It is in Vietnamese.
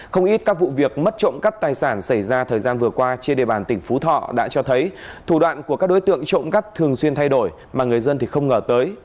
không ít các vụ việc mất trộm cắp tài sản xảy ra thời gian vừa qua trên địa bàn tỉnh phú thọ đã cho thấy thủ đoạn của các đối tượng trộm cắp thường xuyên thay đổi mà người dân thì không ngờ tới